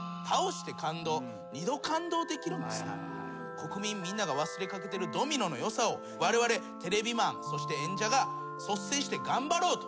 国民みんなが忘れかけてるドミノのよさをわれわれテレビマンそして演者が率先して頑張ろうと。